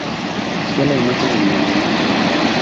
Hacia la imagen en movimiento"".